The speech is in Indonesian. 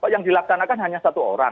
yang dilaksanakan hanya satu orang